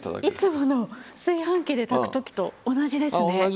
いつもの炊飯器で炊く時と同じですね。